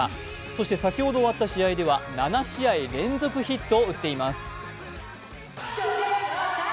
そして先ほど終わった試合では７試合連続ヒットを打っています。